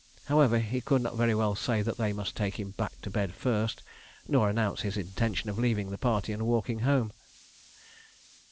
However, he could not very well say that they must take him back to bed first, nor announce his intention of leaving the party and walking home.